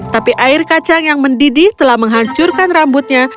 tapi air kacang yang mendidih telah menghancurkan rambutnya